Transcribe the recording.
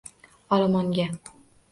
Olomonga